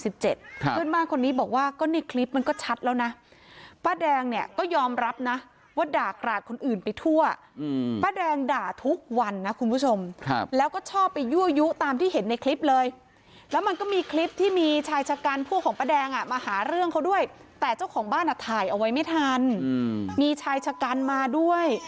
เพื่อนบ้านคนนี้บอกว่าก็ในคลิปมันก็ชัดแล้วนะป้าแดงเนี่ยก็ยอมรับนะว่าด่ากราดคนอื่นไปทั่วป้าแดงด่าทุกวันนะคุณผู้ชมแล้วก็ชอบไปยั่วยุตามที่เห็นในคลิปเลยแล้วมันก็มีคลิปที่มีชายชะกันพวกของป้าแดงอ่ะมาหาเรื่องเขาด้วยแต่เจ้าของบ้านอ่ะถ่ายเอาไว้ไม่ทันมีชายชะกันมาด้วย